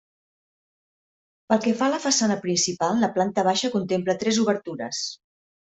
Pel que fa a la façana principal, la planta baixa contempla tres obertures.